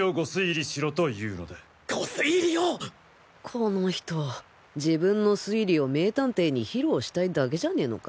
この人自分の推理を名探偵に披露したいだけじゃねのか？